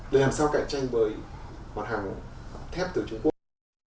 để làm sao cạnh tranh với mặt hàng thép từ trung quốc